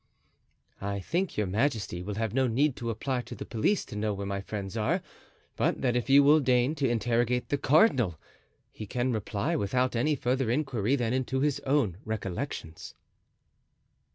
"I think your majesty will have no need to apply to the police to know where my friends are, but that if you will deign to interrogate the cardinal he can reply without any further inquiry than into his own recollections."